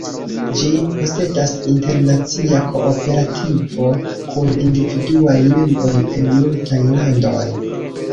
Ĝin posedas internacia kooperativo kun individuaj membroj el multaj landoj.